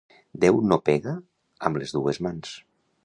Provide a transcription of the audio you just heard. Déu no pega amb les dues mans.